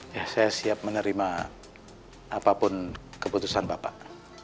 ya saya siap menerima apapun keputusan bapak